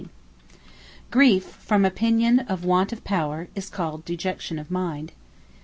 Dejection Griefe, from opinion of want of power, is called dejection of mind.